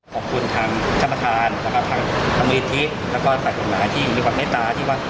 ขอบคุณทางท่านประธานนะครับทางมูลนิธิแล้วก็ฝ่ายกฎหมายที่มีความเมตตาที่ว่า